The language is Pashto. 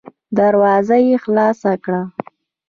دروازه يې خلاصه کړه.